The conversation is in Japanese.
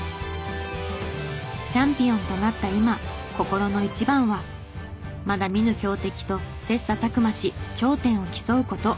チャンピオンとなった今心の一番はまだ見ぬ強敵と切磋琢磨し頂点を競う事。